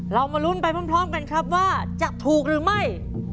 เรามาลุ้นไปพร้อมกันครับว่าจะถูกหรือไม่